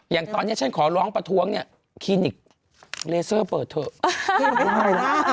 อย่างตอนนี้ฉันขอร้องประท้วงเนี่ยคลีนิกเลเซอร์เปิดเถอะ